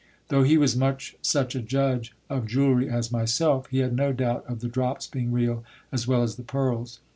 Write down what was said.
Though he was much such a judge of jewellery as myself, he had no doubt of the drops being real, as well as the pearls.